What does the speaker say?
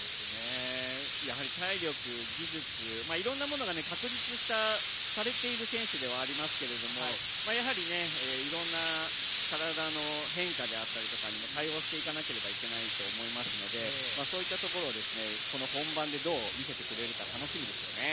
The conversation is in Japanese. やはり体力、技術、いろんなものが確立されている選手ではありますけれどもやはり、いろんな体の変化であったりとかにも対応していかなければいけないと思いますのでそういったところを本番でどう見せてくれるか楽しみですね。